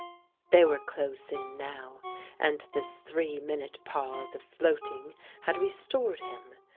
They were close in now, and this three minute pause of floating had restored him.